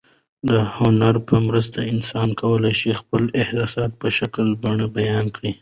د هنر په مرسته انسان کولای شي خپل احساسات په ښکلي بڼه بیان کړي.